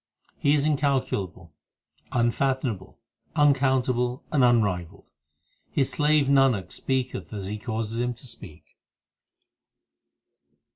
He is incalculable, unfathomable, uncountable, and un rivalled His slave Nanak speaketh as He causeth him to speak.